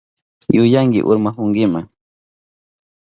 Yuyanki urmahunkima.